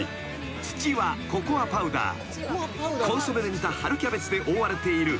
［土はココアパウダー］［コンソメで煮た春キャベツで覆われている